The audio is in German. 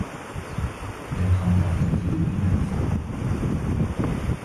Er kommt auf den Philippinen vor.